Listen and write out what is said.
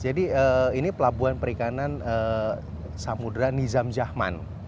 jadi ini pelabuhan perikanan samudera nizam jahman